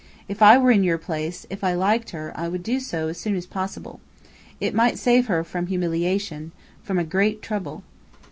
If I were in your place, if I liked her, I would do so as soon as possible. It might save her from humiliation from a great trouble."